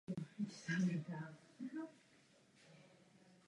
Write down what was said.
Některé z nich mají více funkcí.